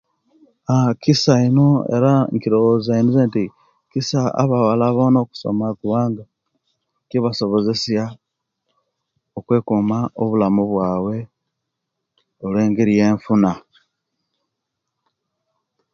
Aa kisa ino era inkironoza zenti kisa abawala bona okusoma kubanga kibasobozesa okwekuma obulamu bwabu olwengeri eyenfuna